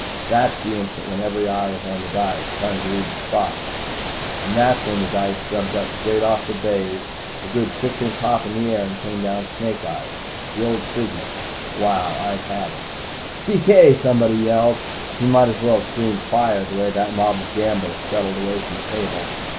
That's the instant when every eye is on the dice, trying to read the spots. And that's when the dice jumped straight up off the baize, a good six inch hop into the air, and came down Snake Eyes, the old signal. Wow! I'd had it! "TK!" somebody yelled. He might as well have screamed, "Fire!" the way that mob of gamblers scuttled away from the table.